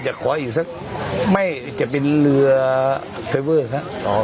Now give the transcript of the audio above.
ขออีกสักไม่จะเป็นเรือไซเวอร์ครับ